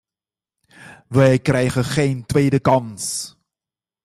We krijgen geen tweede kans.